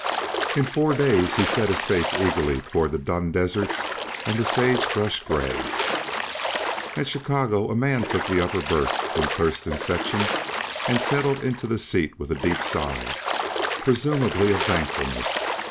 In four days he set his face eagerly toward the dun deserts and the sage brush gray. At Chicago a man took the upper berth in Thurston's section, and settled into the seat with a deep sigh presumably of thankfulness.